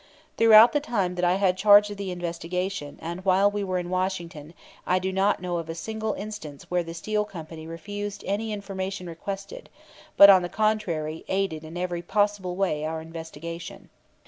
Throughout the time that I had charge of the investigation, and while we were in Washington, I do not know of a single instance where the Steel Company refused any information requested; but, on the contrary, aided in every possible way our investigation.